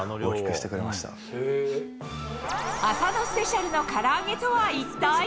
浅野スペシャルのから揚げとは一体？